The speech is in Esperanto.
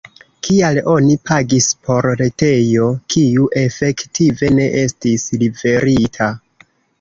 Kial oni pagis por retejo, kiu efektive ne estis liverita?